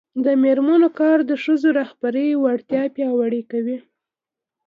د میرمنو کار د ښځو رهبري وړتیا پیاوړې کوي.